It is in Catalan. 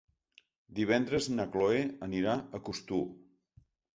Divendres na Chloé anirà a Costur.